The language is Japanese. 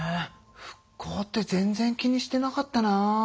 復興って全然気にしてなかったな。